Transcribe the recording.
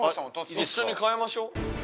一緒に変えましょう。